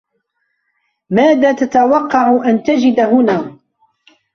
ماذا تتوقع أن تجد هنا؟